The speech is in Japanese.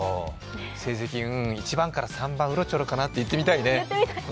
成績うーん、１番から３番うろちょろかなって言ってみたい。